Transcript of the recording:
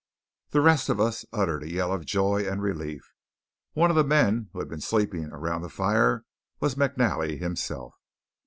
The rest of us uttered a yell of joy and relief. One of the men who had been sleeping around the fire was McNally himself.